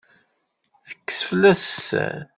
Tekkes fell-as sser.